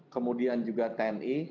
kemudian juga tni